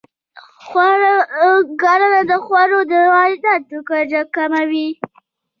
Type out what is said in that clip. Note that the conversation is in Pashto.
کرنه د خوړو د وارداتو کچه کموي.